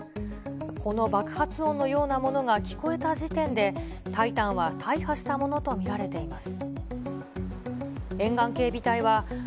この爆発音のようなものが聞こえた時点で、タイタンは大破したものと見られています。